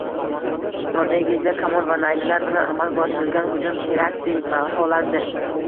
Norvegiyada kamon va nayzalar bilan amalga oshirilgan hujum terakt deb baholandi